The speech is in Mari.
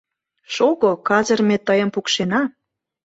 — Шого, казыр ме тыйым пукшена.